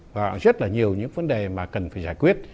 và rất là nhiều những vấn đề mà cần phải giải quyết